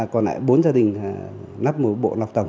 còn lại bốn gia đình nắp một bộ lọc tẩm